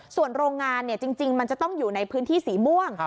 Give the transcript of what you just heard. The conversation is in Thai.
ส่วนโรงงานจริงมันจะต้องอยู่ในพื้นที่สีม่วง